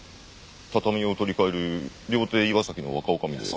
畳を取り替える料亭岩崎の若女将ですよ。